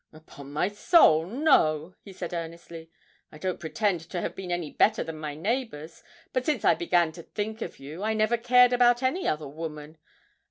'Upon my soul, no,' he said earnestly. 'I don't pretend to have been any better than my neighbours, but since I began to think of you, I never cared about any other woman.